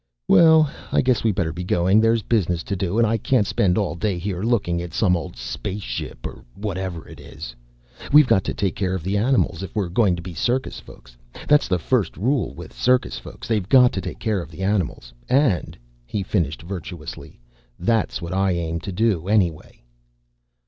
"Well, I guess we better be going. There's business to do and I can't spend all day here looking at some old space ship or whatever it is. We've got to take care of the animals if we're going to be circus folks. That's the first rule with circus folks. They've got to take care of the animals. And," he finished virtuously, "that's what I aim to do, anyway."